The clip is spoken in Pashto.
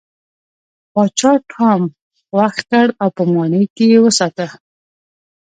پاچا ټام خوښ کړ او په ماڼۍ کې یې وساته.